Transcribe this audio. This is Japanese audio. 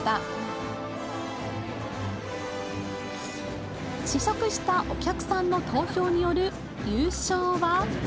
試食したお客さんの投票による優勝は。